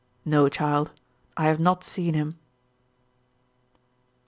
"No, child. I have not seen him."